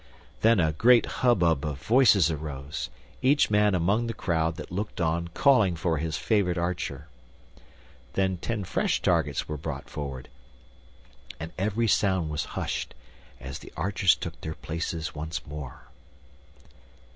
Then a great hubbub of voices arose, each man among the crowd that looked on calling for his favorite archer. Then ten fresh targets were brought forward, and every sound was hushed as the archers took their places once more.